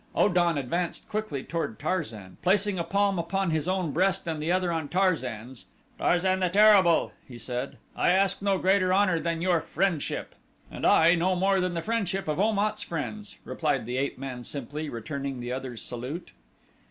O dan advanced quickly toward Tarzan. Placing a palm upon his own breast and the other on Tarzan's, "Tarzan the Terrible," he said, "I ask no greater honor than your friendship." "And I no more than the friendship of Om at's friends," replied the ape man simply, returning the other's salute.